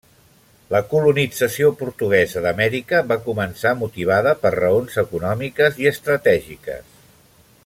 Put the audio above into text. La colonització portuguesa d'Amèrica va començar motivada per raons econòmiques i estratègiques.